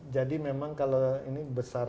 jadi memang kalau ini besar sekali ya